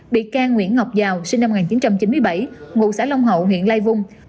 bị can nguyễn ngọc giàu sinh năm một nghìn chín trăm chín mươi bảy ngụ xã long hậu huyện lai vung